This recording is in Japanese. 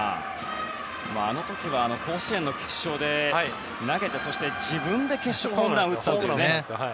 あの時は甲子園の決勝で投げてそして自分で決勝ホームランを打ったという。